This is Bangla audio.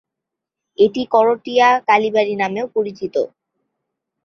এটি করটিয়া কালীবাড়ি নামেও পরিচিত।